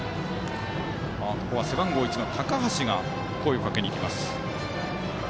ここは背番号１の高橋が声をかけに行きました。